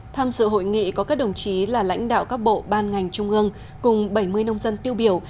tham dự hội nghị có các đồng chí là lãnh đạo các bộ ban ngành trung ương cùng bảy mươi nông dân tiêu biểu